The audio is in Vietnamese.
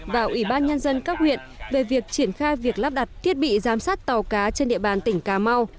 và ủy ban nhân dân các huyện về việc triển khai việc lắp đặt thiết bị giám sát tàu cá trên địa bàn tỉnh cà mau